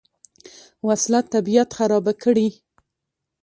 وسله طبیعت خرابه کړي